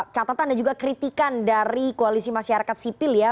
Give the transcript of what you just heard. catatan dan juga kritikan dari koalisi masyarakat sipil ya